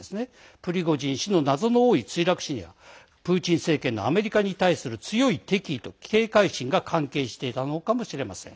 プリゴジン氏の謎の多い墜落死にはプーチン政権のアメリカに対する強い敵意と警戒心が関係していたのかもしれません。